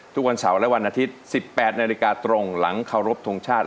ทุกวันเสาร์และวันอาทิตย์๑๘นาฬิกาตรงหลังเคารพทงชาติ